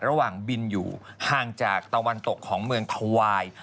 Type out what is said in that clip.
ระหว่างบินอยู่ห่างจากตะวันตกของเมืองทวาย